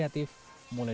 ya di mana